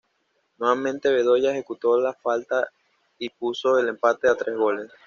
Nuevamente Bedoya ejecutó la falta y puso el empate a tres goles.